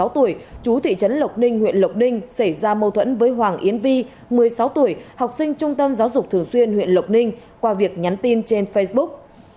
ba mươi sáu tuổi chú thị trấn lộc ninh huyện lộc ninh xảy ra mâu thuẫn với hoàng yến vi một mươi sáu tuổi học sinh trung tâm giáo dục thường xuyên huyện lộc ninh qua việc nhắn tin trên facebook